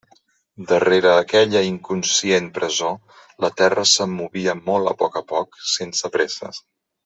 Darrere aquella inconscient presó, la terra se'm movia molt a poc a poc, sense presses.